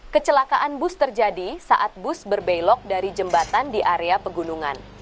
kecelakaan bus terjadi saat bus berbelok dari jembatan di area pegunungan